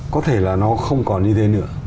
có thể là nó không còn như thế nữa